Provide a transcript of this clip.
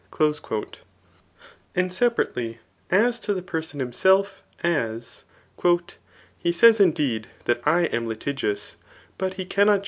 ^3 And separately as to the person himself; as, ^* He says indeed^ that X am litigious, hut he cannot